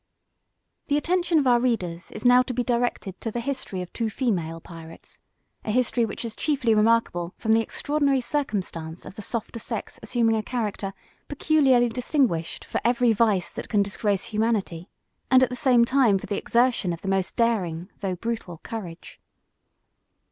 The attention of our readers is now to be directed to the history of two female pirates, a history which is chiefly remarkable from the extraordinary circumstance of the softer sex assuming a character peculiarly distinguished for every vice that can disgrace humanity, and at the same time for the exertion of the most daring, though brutal, courage.